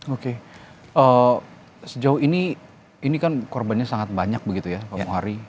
oke sejauh ini ini kan korbannya sangat banyak begitu ya pak muhari